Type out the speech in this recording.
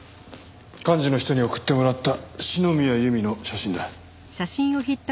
幹事の人に送ってもらった篠宮由美の写真だ。